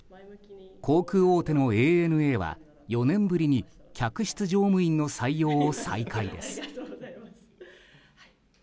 航空大手のＡＮＡは、４年ぶりに客室乗務員の採用を再開です。